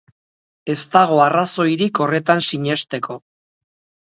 Ez dago arrazoirik horretan sinesteko.